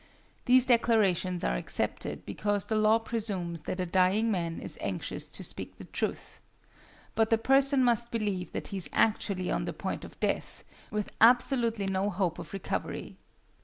These declarations are accepted because the law presumes that a dying man is anxious to speak the truth. But the person must believe that he is actually on the point of death, with absolutely no hope of recovery.